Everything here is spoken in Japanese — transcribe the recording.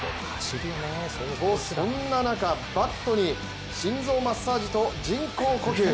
と、そんな中バットに心臓マッサージと人工呼吸。